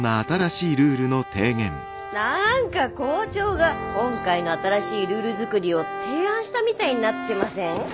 何か校長が今回の新しいルール作りを提案したみたいになってません？